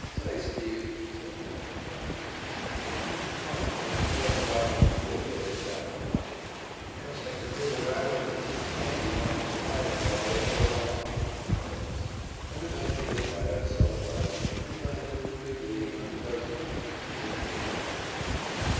"Say, 'Steve,'" said "Mac," that night, "why didn't you come, when I called you out on the field there this afternoon?" "Because I could hear the rattle of the tin can you wanted to tie to me, all over the lot," replied Evans. And eventually, by that subtle dodging, he landed in the Big League under Bresnahan and has made good out there.